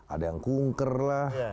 ada yang kungker lah